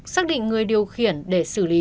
xác định người điều khiển để xử lý